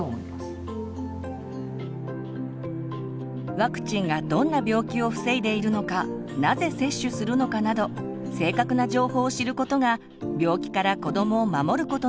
ワクチンがどんな病気を防いでいるのかなぜ接種するのかなど正確な情報を知ることが病気から子どもを守ることにつながるのかもしれませんね。